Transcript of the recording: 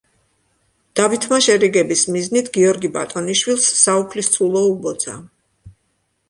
დავითმა შერიგების მიზნით გიორგი ბატონიშვილს საუფლისწულო უბოძა.